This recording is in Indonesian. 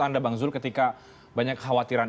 anda bang zul ketika banyak kekhawatiran